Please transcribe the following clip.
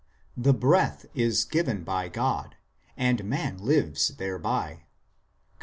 The breath is given by God, and man lives thereby (cp.